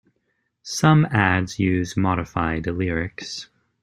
Some ads used modified lyrics.